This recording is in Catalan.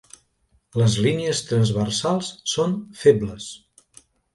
Les línies transversals són febles.